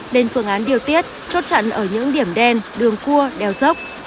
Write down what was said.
lên phương án điều tiết chốt chặn ở những điểm đen đường cua đèo dốc